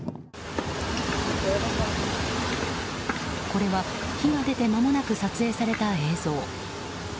これは火が出てまもなく撮影された映像。